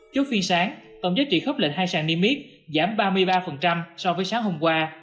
trước phiên sáng tổng giá trị khắp lệnh hai sàn niêm miết giảm ba mươi ba so với sáng hôm qua